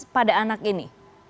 pada anak ini